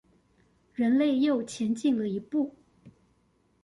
人類又前進了一步